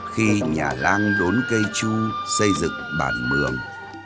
khi nhà lan đốn cây chu xây dựng bản mường